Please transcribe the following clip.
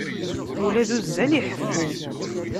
Ula d uzzal iḥeffu.